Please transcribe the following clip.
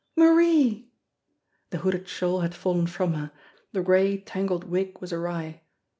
Marie!" The hooded shawl had fallen from her, the gray, tangled wig was awry.